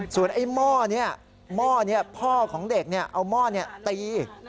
ส่วนไอ้หม้อเนี่ยหม้อเนี่ยพ่อของเด็กเนี่ยเอาหม้อเนี่ยตี